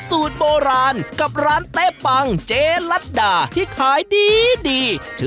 จริงแล้วก็ไม่ได้มั่นใจแต่ก็ดูแล้วเขาไม่ใช่คนมีพิธีมีภัย